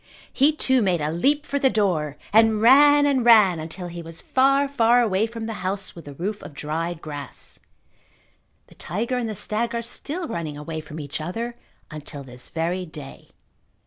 He, too, made a leap for the door and ran and ran until he was far, far away from the house with the roof of dried grass. The tiger and the stag are still running away from each other until this very day.